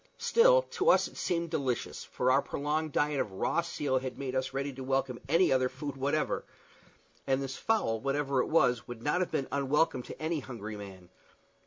Still to us it seemed delicious, for our prolonged diet of raw seal had made us ready to welcome any other food whatever; and this fowl, whatever it was, would not have been unwelcome to any hungry man.